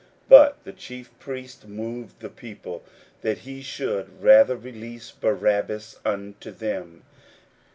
41:015:011 But the chief priests moved the people, that he should rather release Barabbas unto them.